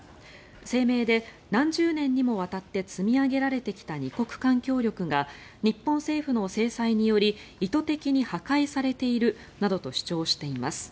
声明で、何十年にもわたって積み上げられてきた２国間協力が日本政府の制裁により意図的に破壊されているなどと主張しています。